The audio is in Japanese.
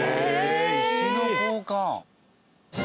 石の交換！